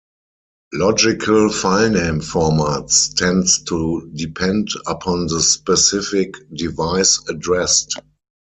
Logical filename formats tends to depend upon the specific device addressed.